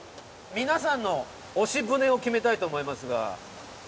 皆さんの推し船を決めたいと思いますが。